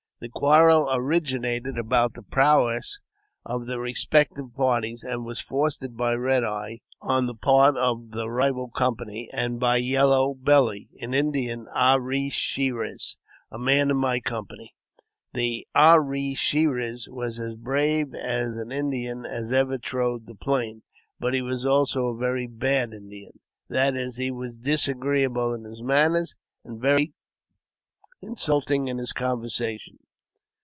The quarrel originated about the prowess of the respective parties, and was fostered by Red Eyes, on the part of the rival com pany, and by Yellow Belly (in Indian A re she res), a man in my company. This A re she res was as brave an Indian as ever trod the plain, but he was also a very bad Indian — that is, he was disagreeable in his manners, and very insulting in his conversation.